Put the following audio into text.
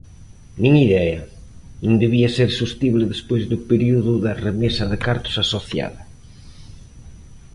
Nin idea, non debía ser sostible despois do período da remesa de cartos asociada.